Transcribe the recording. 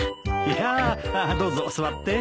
いやどうぞ座って。